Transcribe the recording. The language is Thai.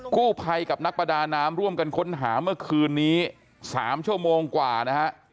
กู้ภัยกับนักประดาน้ำร่วมกันค้นหาเมื่อคืนนี้๓ชั่วโมงกว่านะฮะ